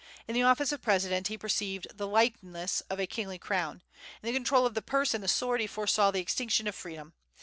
In the office of President he perceived "the likeness of a kingly crown." In the control of the purse and the sword, he foresaw the extinction of freedom.